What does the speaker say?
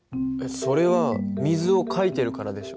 それは水をかいてるからでしょ。